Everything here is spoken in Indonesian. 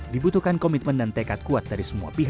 dibutuhkan komitmen dan tekat kuat dari semua pemerintah